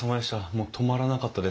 もう止まらなかったです。